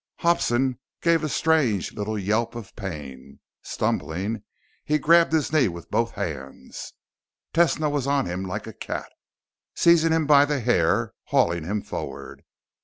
Hobson gave a strange little yelp of pain. Stumbling, he grabbed his knee with both hands. Tesno was on him like a cat, seizing him by the hair, hauling him forward.